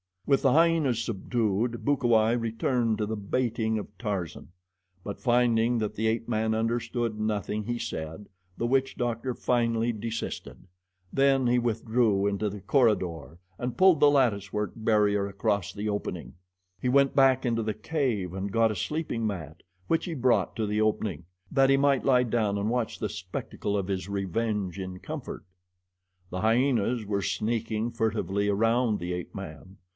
With the hyenas subdued, Bukawai returned to the baiting of Tarzan; but finding that the ape man understood nothing he said, the witch doctor finally desisted. Then he withdrew into the corridor and pulled the latticework barrier across the opening. He went back into the cave and got a sleeping mat, which he brought to the opening, that he might lie down and watch the spectacle of his revenge in comfort. The hyenas were sneaking furtively around the ape man.